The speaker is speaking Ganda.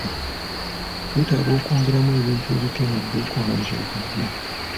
Twetaaga okwongeramu ebintu ebipya mu dduuka omwezi ogujja.